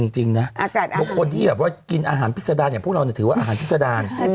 จริงนะทุกคนที่แบบว่ากินอาหารพิษดารอย่างพวกเราถือว่าอาหารพิษดาร